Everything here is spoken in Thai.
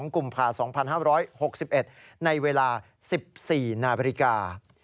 กุมภา๒๕๖๑ในเวลา๑๔นาฬิกา